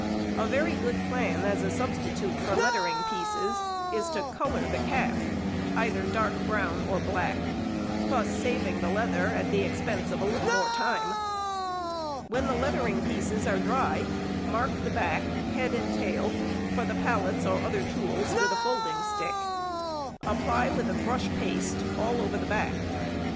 A very good plan as a substitute for lettering pieces is to colour the calf either dark brown or black, thus saving the leather at the expense of a little more time. When the lettering |137| pieces are dry, mark the back, head and tail, for the pallets or other tools with a folding stick. Apply with a brush paste all over the back.